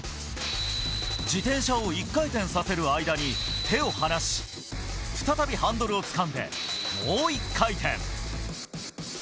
自転車を１回転させる間に手を離し、再びハンドルをつかんでもう１回転。